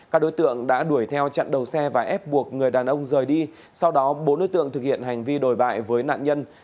các đối tượng đã đuổi theo chặn đầu xe và ép buộc người đàn ông rời đi sau đó bốn đối tượng thực hiện hành vi đồi bại với nạn nhân